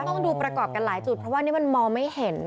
ต้องดูประกอบกันหลายจุดเพราะว่านี่มันมองไม่เห็น